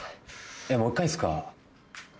えっもう一回っすか？